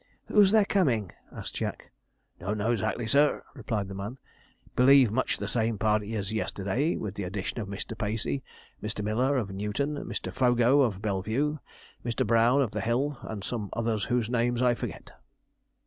'Who's there coming?' asked Jack. 'Don't know 'xactly, sir,' replied the man; 'believe much the same party as yesterday, with the addition of Mr. Pacey; Mr. Miller, of Newton; Mr. Fogo, of Bellevue; Mr. Brown, of the Hill; and some others whose names I forget.'